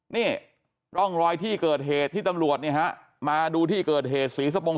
นี่ร่องรอยที่เกิดเหตุที่ตำรวจเนี่ยฮะมาดูที่เกิดเหตุศรีสปง